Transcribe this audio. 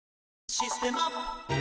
「システマ」